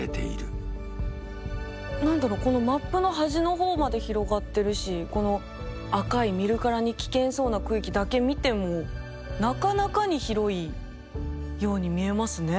何だろうこのマップの端の方まで広がってるしこの赤い見るからに危険そうな区域だけ見てもなかなかに広いように見えますね。